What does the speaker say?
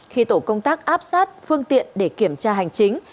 khi tổ công tác áp sát phương tiện để kiểm tra hành chính